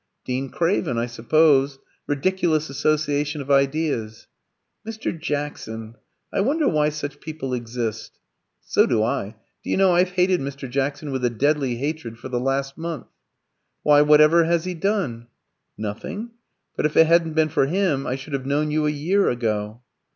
"Dean Craven, I suppose. Ridiculous association of ideas." "Mr. Jackson I wonder why such people exist." "So do I. Do you know, I've hated Mr. Jackson with a deadly hatred for the last month." "Why, whatever has he done?" "Nothing. But if it hadn't been for him I should have known you a year ago."